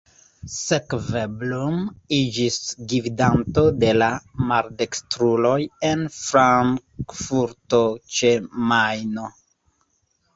Sekve Blum iĝis gvidanto de la maldekstruloj en Frankfurto ĉe Majno.